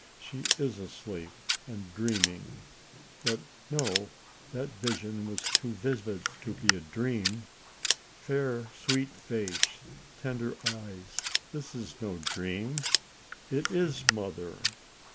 She is asleep and dreaming — but no: that vision was too vivid for a dream. Fair, sweet face, tender eyes: this is no dream; it is Mother!